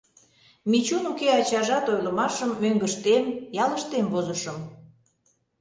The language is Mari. «Мичун уке ачажат» ойлымашым мӧҥгыштем, ялыштем, возышым.